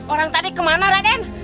orang tadi kemana raden